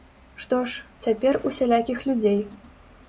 Што ж, цяпер усялякіх людзей.